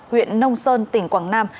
huyện nông sơn tỉnh quảng nam